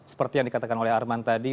seperti yang dikatakan oleh arman tadi